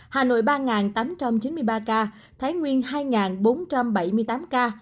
hà nội ba tám trăm chín mươi ba ca thái nguyên hai bốn trăm bảy mươi tám ca